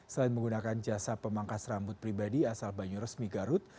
selain menggunakan jasa pemangkas rambut pribadi asal banyuresmi garut